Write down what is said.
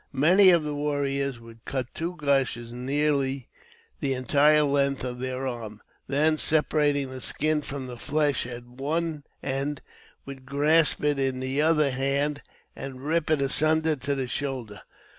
Many of the warriors would cut two gashes learly the entire length of their arm ; then separating the skin 224 AUTOBIOGBAPHY OF from the flesh at one end would grasp it in their other hand, and rip it asunder to the shoulder.